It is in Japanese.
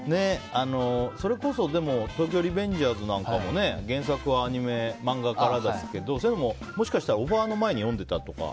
それこそ「東京リベンジャーズ」なんかは原作は漫画からですけどそういうのはもしかしたらオファーの前に読んでいたとか？